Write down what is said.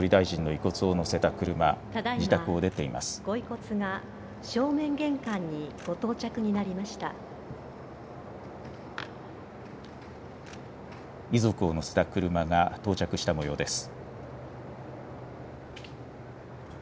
遺族を乗せた車が到着したもようです。